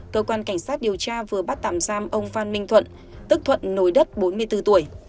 cơ quan cảnh sát điều tra vừa bắt tạm giam ông phan minh thuận tức thuận nối đất bốn mươi bốn tuổi